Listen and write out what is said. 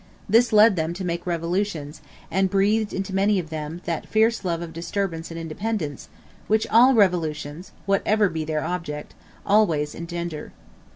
This led them to make revolutions, and breathed into many of them, that fierce love of disturbance and independence, which all revolutions, whatever be their object, always engender.